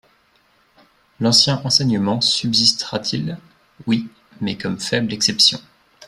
«L'ancien enseignement subsistera-t-il ?» Oui, mais comme faible exception.